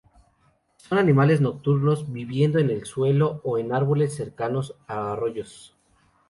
Son animales nocturnos viviendo en el suelo o en árboles cercanos a arroyos.